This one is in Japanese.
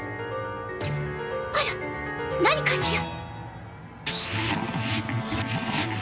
あら何かしら？